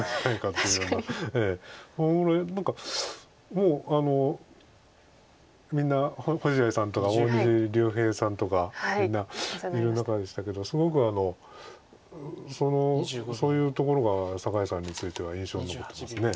そのぐらい何かもうみんな星合さんとか大西竜平さんとかみんないる中でしたけどすごくそういうところが酒井さんについては印象に残ってます。